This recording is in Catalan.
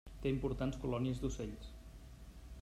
Té importants colònies d'ocells.